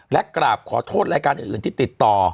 และกราบขอโทษรายการอื่นที่ติดต่อ